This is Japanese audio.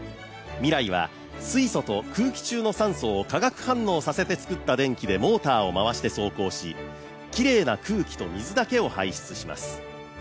ＭＩＲＡＩは水素と空気中の酸素を化学反応させて作った電気でモーターを回して走行し、きれいな空気と水だけを排出します。